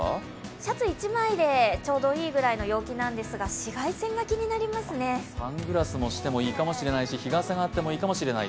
シャツは１枚でちょうどいいぐらいの陽気なんですがサングラスもしてもいいかもしれないし日傘があってもいいかもしれない。